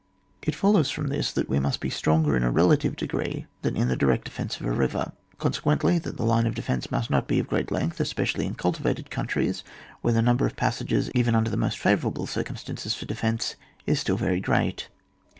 It follows from this that we must be stronger in a relative degree than in the direct defence of a river, consequently that the line of defence must not be of great length, especially in cultivated countries, where the nimiberpf passages, even under the most favourable circum stances for defence, is still very great.